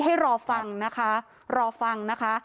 ให้รอฟังนะคะรอฟังนะคะ